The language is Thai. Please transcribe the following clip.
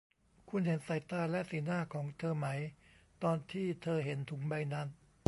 คุณเห็นสายตาและสีหน้าของเธอไหมตอนที่เธอเห็นถุงใบนั้น